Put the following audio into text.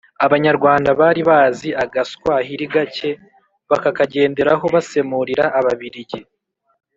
Abanyarwanda bari bazi agaswahili gake, bakakagenderaho basemurira Ababiligi